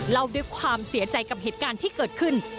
เล่าด้วยความเสียใจกับเหตุการณ์ที่เกิดขึ้น